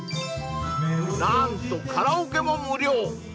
何とカラオケも無料